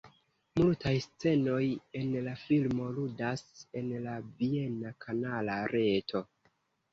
Multaj scenoj en la filmo ludas en la viena kanala reto.